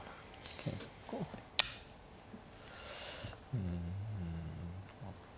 うん。